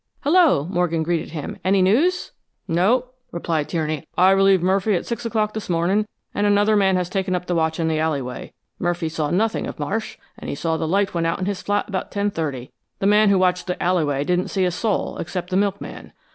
"Hello," Morgan greeted him. "Any news?" "No," replied Tierney. "I relieved Murphy at six o'clock this morning, and another man has taken up the watch in the alleyway. Murphy saw nothing of Marsh, and he said the light went out in his flat about 10:30. The man who watched the alleyway didn't see a soul except the milkman.